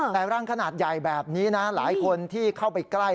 แต่ร่างขนาดใหญ่แบบนี้นะหลายคนที่เข้าไปใกล้